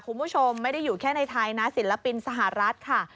คุณผู้ชมไม่ได้อยู่แค่ในไทยนะศิลปินสหรัฐค่ะ